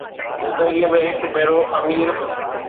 زندگي ۾ هڪ ڀيرو امير